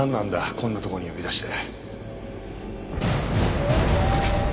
こんな所に呼び出して。